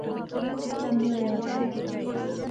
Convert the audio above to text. انیں او یاد سے